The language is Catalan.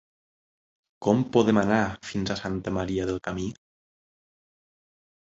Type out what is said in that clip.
Com podem anar fins a Santa Maria del Camí?